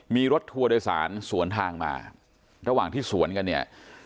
มีรถทัวร์โดยสารสวนทางมาระหว่างที่สวนกันเนี่ย